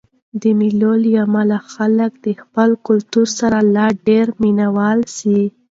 د مېلو له امله خلک د خپل کلتور سره لا ډېر مینه وال سي.